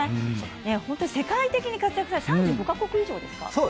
本当に世界的に活躍されていて３５か国以上ですか？